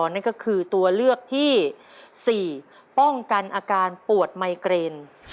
นั่นก็คือตัวเลือกที่๔ป้องกันอาการปวดไมเกรน